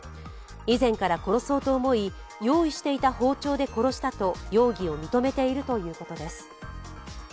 以前から殺そうと思い、用意していた包丁で殺したと容疑を認めているということです。